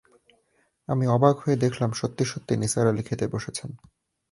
আমি অবাক হয়ে দেখলাম সত্যি-সত্যি নিসার আলি খেতে বসেছেন।